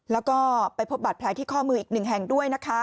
แล้วก็ไปพบบาดแผลที่ข้อมืออีกหนึ่งแห่งด้วยนะคะ